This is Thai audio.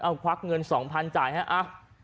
เอาควักเงิน๒๐๐๐จ่ายให้อ่ะ